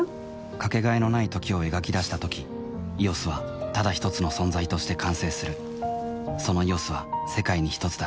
かけがえのない「時」を描き出したとき「ＥＯＳ」はただひとつの存在として完成するその「ＥＯＳ」は世界にひとつだ